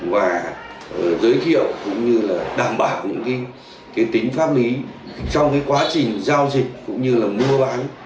và giới thiệu cũng như là đảm bảo tính pháp lý trong quá trình giao dịch cũng như là mua bán